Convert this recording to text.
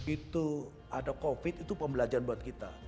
itu ada covid itu pembelajaran buat kita